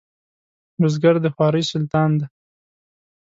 بزګر د خوارۍ سلطان دی